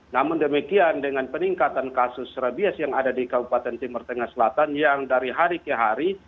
namun demikian dengan peningkatan kasus rabies yang ada di kabupaten timur tengah selatan yang dari hari ke hari